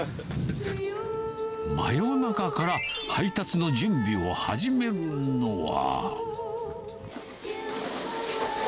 真夜中から配達の準備を始めるのは。